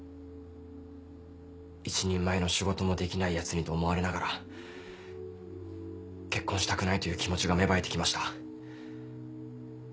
一人前の仕事もできないヤツにと思われながら結婚したくないという気持ちが芽生えて来ました。